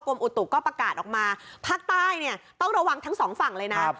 อุตุก็ประกาศออกมาภาคใต้เนี่ยต้องระวังทั้งสองฝั่งเลยนะ